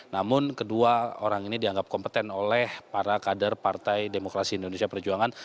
namun kedua orang ini dianggap kompeten oleh para kader partai demokrasi indonesia perjuangan